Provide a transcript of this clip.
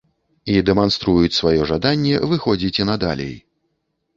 І дэманструюць сваё жаданне выходзіць і надалей.